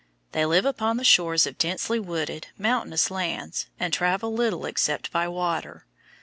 They live upon the shores of densely wooded, mountainous lands and travel little except by water.